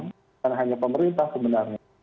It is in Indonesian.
bukan hanya pemerintah sebenarnya